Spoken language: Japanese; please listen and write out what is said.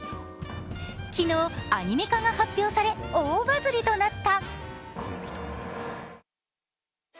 昨日、アニメ化が発表され大バズりとなった。